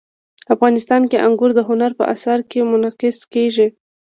افغانستان کې انګور د هنر په اثار کې منعکس کېږي.